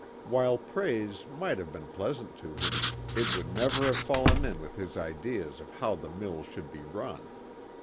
While praise might have been pleasant to him, it would never have fallen in with his ideas of how the mills should be run.